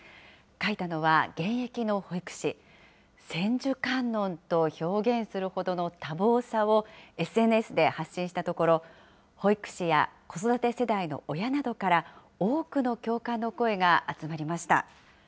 描いたのは現役の保育士、千手観音と表現するほどの多忙さを、ＳＮＳで発信したところ、保育士や子育て世代の親などから多くの共感の声が集まりました。